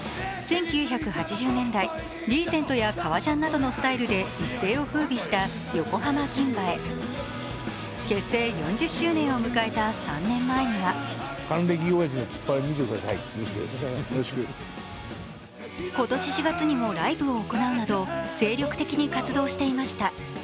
１９８０年代、リーゼントや革ジャンなどのスタイルで一世を風靡した横浜銀蝿結成４０周年を迎えた３年前には今年４月にもライブを行うなど精力的に活動していました。